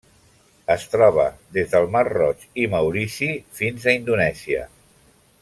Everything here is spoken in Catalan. Es troba des del mar Roig i Maurici fins a Indonèsia.